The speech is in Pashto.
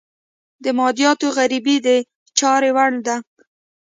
د مادیاتو غريبي د چارې وړ ده.